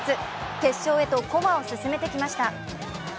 決勝へとこまを進めてきました。